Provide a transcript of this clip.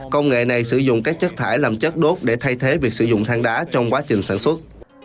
công nghệ này sử dụng các chất thải làm chất đốt để thay thế việc sử dụng thang đá trong quá trình sản xuất